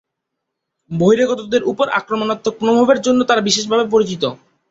বহিরাগতদের ওপর আক্রমণাত্মক মনোভাবের জন্য তারা বিশেষভাবে পরিচিত।